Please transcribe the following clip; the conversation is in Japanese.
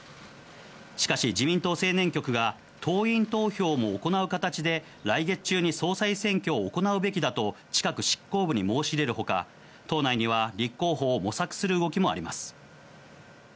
しかし、自民党青年局が党員投票も行う形で、来月中に総裁選挙を行うべきだと、近く執行部に申し入れるほか、党内には立候補を模索する動きもあります。